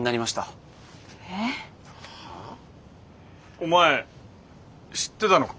お前知ってたのか？